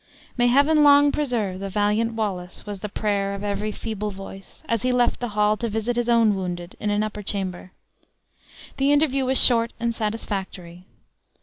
"May heaven long preserve the valiant Wallace!" was the prayer of every feeble voice, as he left the hall to visit his own wounded, in an upper chamber. The interview was short and satisfactory.